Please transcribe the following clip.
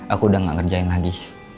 aku udah gak ngerjain lagi